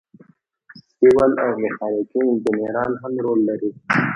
سیول او میخانیکي انجینران هم رول لري.